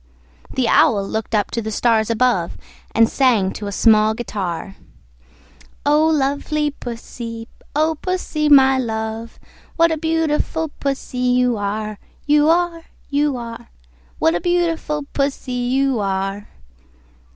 The Owl looked up to the stars above, And sang to a small guitar, "O lovely Pussy, O Pussy, my love, What a beautiful Pussy you are, You are, You are! What a beautiful Pussy you are!"